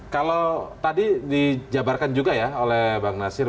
kalau tadi dijabarkan juga ya oleh bang nasir